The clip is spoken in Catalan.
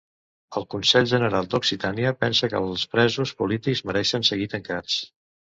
El Consell General d'Occitània pensa que els presos polítics mereixen seguir tancats